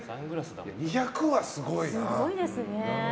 ２００はすごい。